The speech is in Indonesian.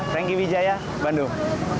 thank you wijaya bandung